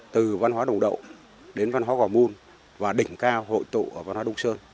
từ văn hóa đồng đậu đến văn hóa gò môn và đỉnh cao hội tụ ở văn hóa đông sơn